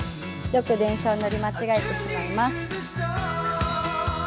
よく電車を乗り間違えてしまいます。